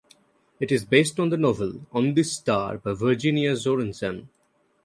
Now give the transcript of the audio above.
It is based on the novel "On This Star" by Virginia Sorensen.